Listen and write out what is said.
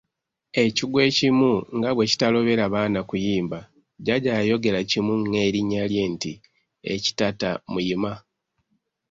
Ekigwo ekimu nga bwe kitalobera baana kuyimba, Jjajja yayogera kimu ng'erinnya lye nti, "ekitatta muyima."